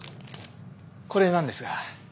これなんですが。